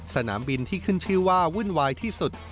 สนามบินที่ขึ้นชื่อว่าวุ่นวายที่สุด